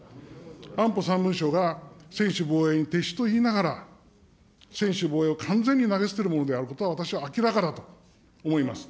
安保３文書が専守防衛に徹すると言いながら、専守防衛を完全に投げ捨てるものであることは私は明らかだと思います。